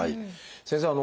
先生。